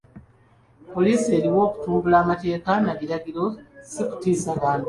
Poliisi eriwo kutumbula mateeka na biragiro, si kutiisa bantu.